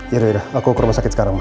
yaudah yaudah aku ke rumah sakit sekarang